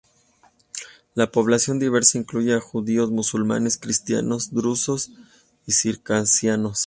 La población diversa incluye a: judíos, musulmanes, cristianos, drusos y circasianos.